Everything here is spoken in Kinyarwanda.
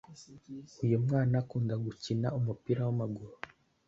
uyumwana akunda gukina umupira wamaguru